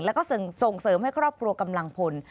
แล้วก็ส่งเสริมให้ครอบครัวกำลังพล